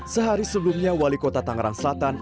sehari sebelumnya wali kota tangerang selatan